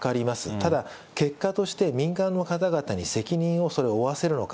ただ、結果として民間の方々に責任を負わせるのか。